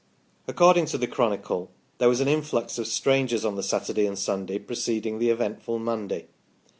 According to the " Chronicle" there was an influx of strangers on the Saturday and Sunday preceding the eventful Monday.